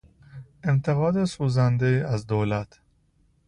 انتقاد سوزندهای از دولت